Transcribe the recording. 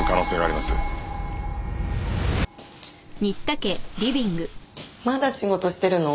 まだ仕事してるの？